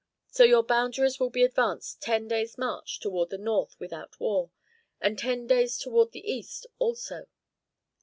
So your boundaries will be advanced ten days march toward the north without war, and ten days toward the east also."